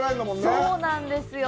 そうなんですよ。